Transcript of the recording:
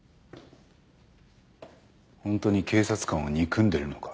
ホントに警察官を憎んでるのか？